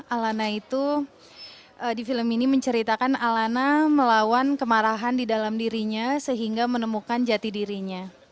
alana itu di film ini menceritakan alana melawan kemarahan di dalam dirinya sehingga menemukan jati dirinya